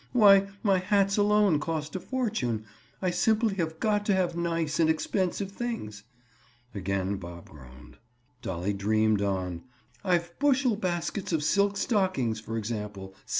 Why, my hats alone cost a fortune. I simply have got to have nice and expensive things." Again Bob groaned. Dolly dreamed on: "I've bushel baskets of silk stockings, for example.